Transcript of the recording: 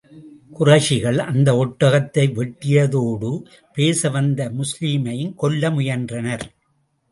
குறைஷிகள் அந்த ஒட்டகத்தை வெட்டியதோடு, பேச வந்த முஸ்லிமையும் கொல்ல முயன்றனர்.